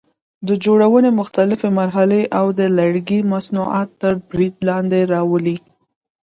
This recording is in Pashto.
د جوړونې مختلفې مرحلې او د لرګي مصنوعات تر برید لاندې راولي.